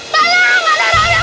pingsan beneran bingung